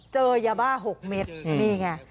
เจอยาบ้า๖เม็ดนี่ไง